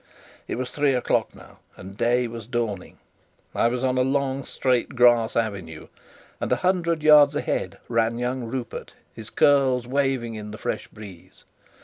It was three o'clock now, and day was dawning. I was on a long straight grass avenue, and a hundred yards ahead ran young Rupert, his curls waving in the fresh breeze.